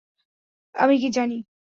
আমি কী জানি?